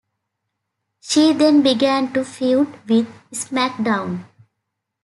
She then began to feud with SmackDown!